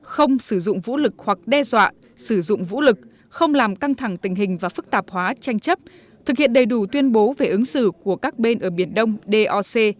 không sử dụng vũ lực hoặc đe dọa sử dụng vũ lực không làm căng thẳng tình hình và phức tạp hóa tranh chấp thực hiện đầy đủ tuyên bố về ứng xử của các bên ở biển đông doc